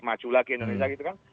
maju lagi indonesia gitu kan